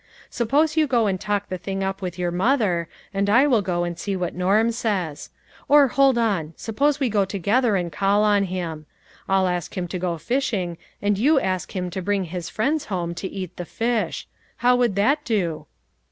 Suppose you go and talk the thing up with your mother, and I will go and see what Norm says. Or, hold on, suppose we go together and call on him ; I'll ask him to go fishing, and you ask him to bring his friends home to eat the fish. How would that do